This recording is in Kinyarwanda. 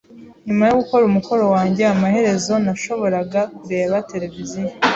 Nyuma yo gukora umukoro wanjye, amaherezo nashoboraga kureba televiziyo.